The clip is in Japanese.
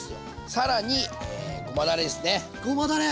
更にごまだれですね。